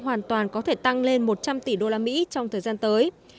hoàn toàn có thể tăng lên một trăm linh tỷ usd trong thời gian tới